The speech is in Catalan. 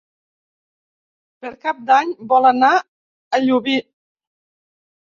Per Cap d'Any vol anar a Llubí.